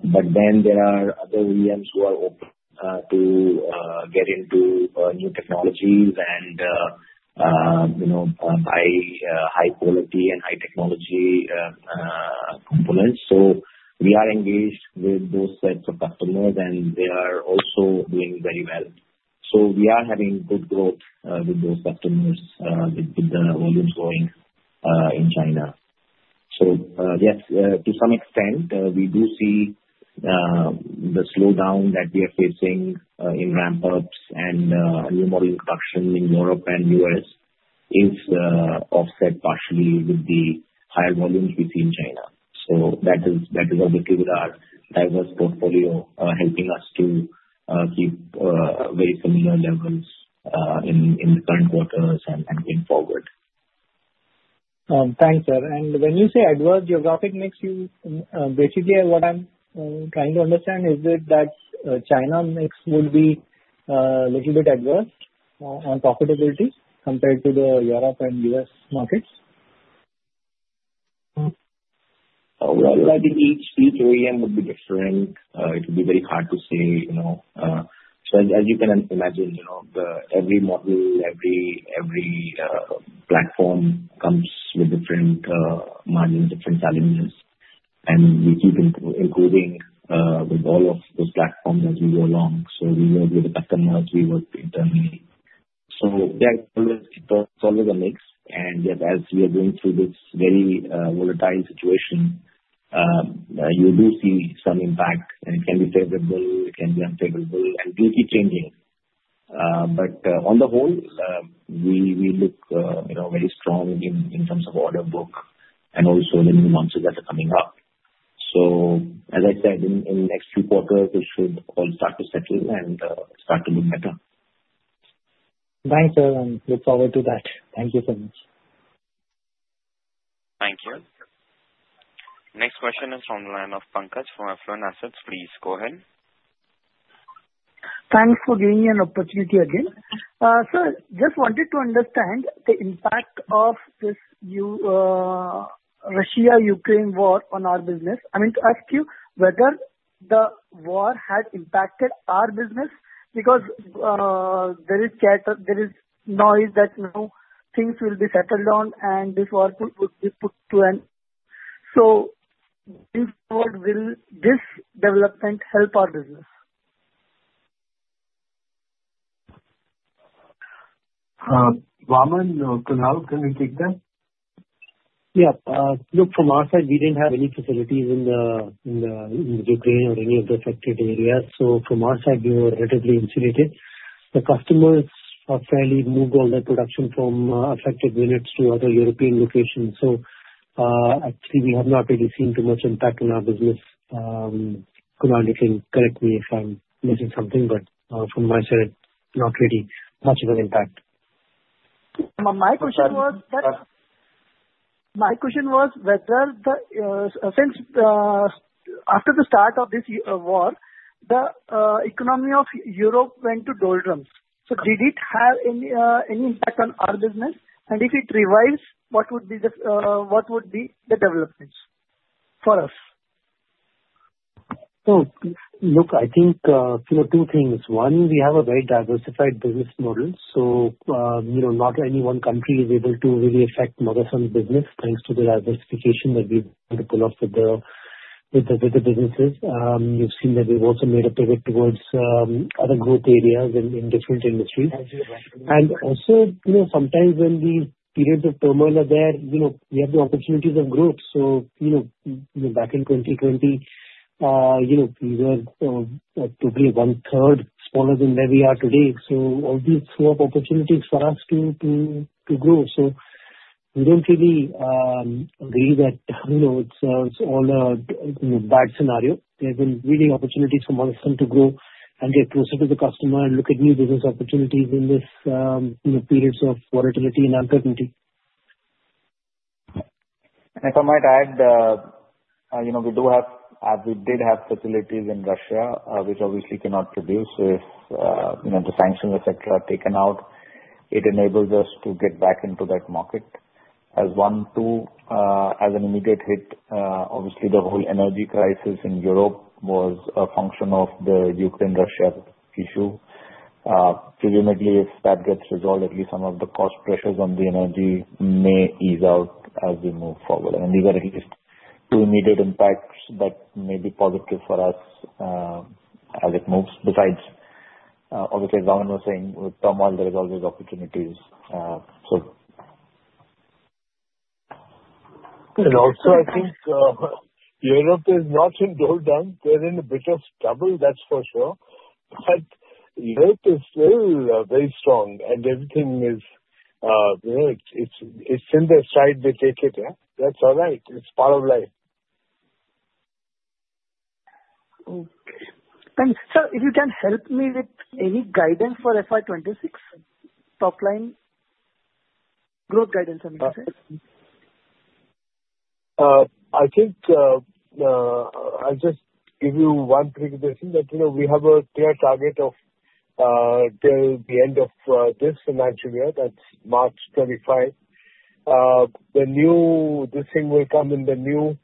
But then there are other OEMs who are open to get into new technologies and buy high-quality and high-technology components. So we are engaged with those types of customers, and they are also doing very well. So we are having good growth with those customers with the volumes going in China. So yes, to some extent, we do see the slowdown that we are facing in ramp-ups and new model production in Europe and U.S. is offset partially with the higher volumes we see in China. So that is obviously with our diverse portfolio helping us to keep very similar levels in the current quarters and going forward. Thanks, sir. And when you say adverse geographic mix, basically what I'm trying to understand is that China mix would be a little bit adverse on profitability compared to the Europe and US markets? I think each OEM would be different. It would be very hard to say. As you can imagine, every model, every platform comes with different margins, different challenges. We keep improving with all of those platforms as we go along. We work with the customers. We work internally. There's always a mix. Yet, as we are going through this very volatile situation, you do see some impact. It can be favorable. It can be unfavorable. It will keep changing. On the whole, we look very strong in terms of order book and also the new launches that are coming up. As I said, in the next few quarters, it should all start to settle and start to look better. Thanks, sir, and look forward to that. Thank you so much. Thank you. Next question is from Pankaj Bobade from Affluent Assets. Please go ahead. Thanks for giving me an opportunity again. Sir, just wanted to understand the impact of this new Russia-Ukraine war on our business. I mean, to ask you whether the war had impacted our business because there is noise that now things will be settled on, and this war would be put to an end, so this development helped our business? Raman, Kunal, can you take that? Yeah. Look, from our side, we didn't have any facilities in the Ukraine or any of the affected areas. So from our side, we were relatively insulated. The customers have fairly moved all their production from affected units to other European locations. So actually, we have not really seen too much impact on our business. Kunal, you can correct me if I'm missing something. But from my side, not really much of an impact. My question was whether, since after the start of this war, the economy of Europe went to doldrums. So did it have any impact on our business? And if it revives, what would be the developments for us? So look, I think two things. One, we have a very diversified business model. So not any one country is able to really affect Motherson's business thanks to the diversification that we've had to pull off with the businesses. You've seen that we've also made a pivot towards other growth areas in different industries. And also, sometimes when these periods of turmoil are there, we have the opportunities of growth. So back in 2020, we were probably one-third smaller than where we are today. So all these threw up opportunities for us to grow. So we don't really agree that it's all a bad scenario. There's been really opportunities for Motherson to grow and get closer to the customer and look at new business opportunities in these periods of volatility and uncertainty. And if I might add, we did have facilities in Russia, which obviously cannot produce. So if the sanctions, etc., are taken out, it enables us to get back into that market. As one, two, as an immediate hit, obviously, the whole energy crisis in Europe was a function of the Ukraine-Russia issue. Presumably, if that gets resolved, at least some of the cost pressures on the energy may ease out as we move forward. And these are at least two immediate impacts that may be positive for us as it moves. Besides, obviously, as Raman was saying, with turmoil, there are always opportunities. So. And also, I think Europe is not in doldrums. They're in a bit of trouble, that's for sure. But Europe is still very strong. And everything is, it's in their side. They take it. That's all right. It's part of life. Okay. And sir, if you can help me with any guidance for FY26, top-line growth guidance, I mean? I think I'll just give you one precondition that we have a clear target of till the end of this financial year. That's March 2025. This thing will come in the new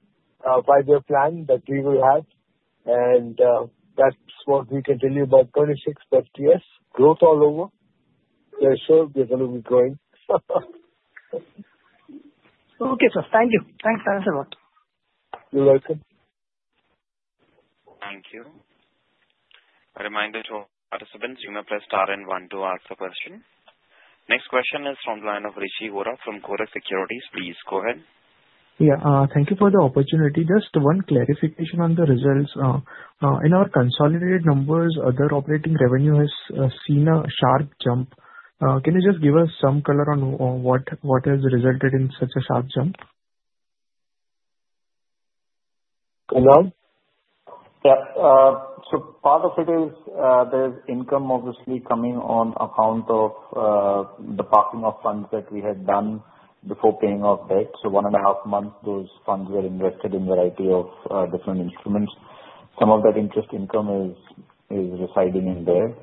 five-year plan that we will have, and that's what we can tell you about 2026, but yes, growth all over, so sure, we're going to be growing. Okay, sir. Thank you. Thanks very much. You're welcome. Thank you. A reminder to all participants, you may press star and one to ask a question. Next question is from line one, Rishi Vora from Kotak Securities. Please go ahead. Yeah. Thank you for the opportunity. Just one clarification on the results. In our consolidated numbers, other operating revenue has seen a sharp jump. Can you just give us some color on what has resulted in such a sharp jump? Kunal? Yeah. So part of it is there's income obviously coming on account of the parking of funds that we had done before paying off debt. So one and a half months, those funds were invested in a variety of different instruments. Some of that interest income is residing in there.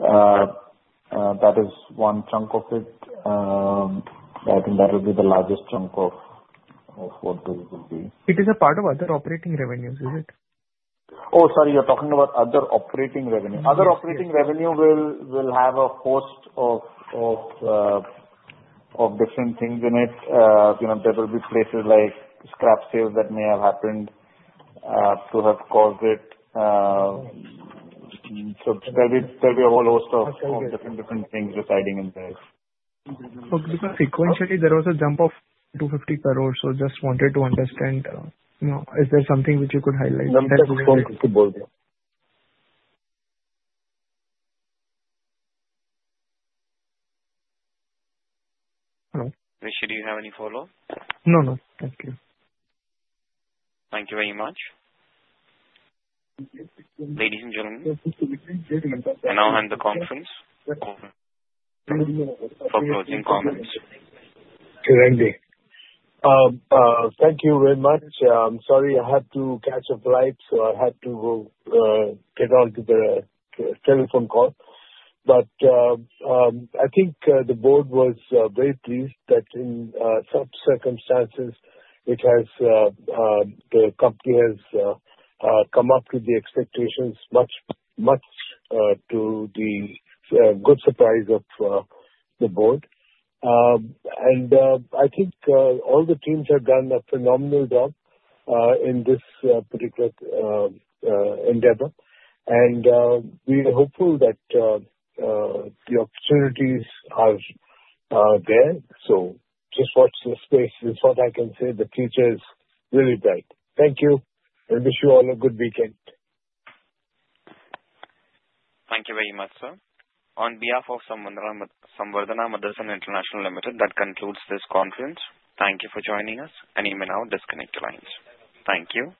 That is one chunk of it. I think that will be the largest chunk of what this will be. It is a part of other operating revenues, is it? Oh, sorry. You're talking about other operating revenue. Other operating revenue will have a host of different things in it. There will be places like scrap sales that may have happened to have caused it. So there'll be a whole host of different things residing in there. So frequently, there was a jump of 250 crores. So just wanted to understand, is there something which you could highlight? No, no. Just one quick bold. Hello? Rishi, do you have any follow-up? No, no. Thank you. Thank you very much. Ladies and gentlemen, I now end the conference for closing comments. Okay. Thank you. Thank you very much. I'm sorry I had to catch a flight, so I had to go get onto the telephone call, but I think the board was very pleased that in such circumstances, the company has come up with the expectations much to the good surprise of the board. And I think all the teams have done a phenomenal job in this particular endeavor, and we are hopeful that the opportunities are there, so just watch the space. It's what I can say. The future is really bright. Thank you, and wish you all a good weekend. Thank you very much, sir. On behalf of Samvardhana Motherson International Limited, that concludes this conference. Thank you for joining us. And you may now disconnect your lines. Thank you.